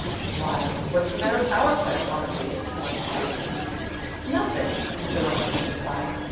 "Why, what's the matter with our credit policy?" Morris asked. "Nothing," Mr. Lowenstein replied.